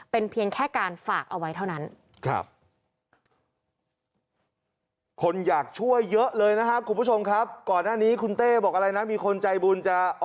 เป็นเพียงแค่การฝากเอาไว้เท่านั้น